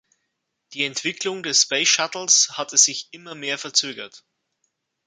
Die Entwicklung des Space Shuttles hatte sich immer mehr verzögert.